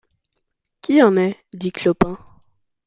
Qui en est ? dit Clopin.